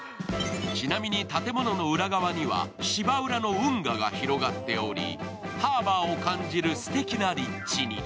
ちなみに建物の裏側には芝浦の運河が広がっており、ハーバーを感じるすてきな立地に。